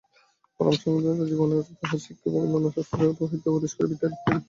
পরমহংসদেবের জীবন এবং তাঁহার শিক্ষা এবং অন্যান্য শাস্ত্র হইতে উপদেশ করিবে ইত্যাদি ইত্যাদি।